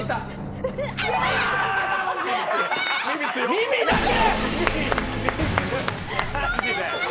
耳だけ！